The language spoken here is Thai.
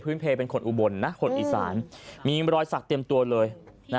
เป็นคนอุบลนะคนอีสานมีรอยศักดิ์เตรียมตัวเลยนะ